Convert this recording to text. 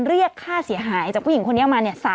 เรียกค่าเสียหายจากผู้หญิงคนนี้ออกมาเนี่ย